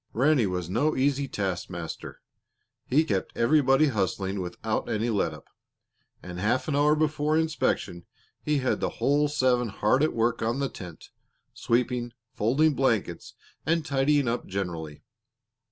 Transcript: Ranny was no easy taskmaster. He kept everybody hustling without any let up, and half an hour before inspection he had the whole seven hard at work on the tent, sweeping, folding blankets, and tidying up generally.